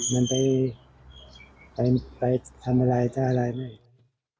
มันไปทำอะไรจะอะไรไม่ได้